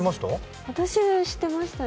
私は知ってましたね。